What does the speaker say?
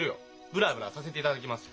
ブラブラさせていただきます。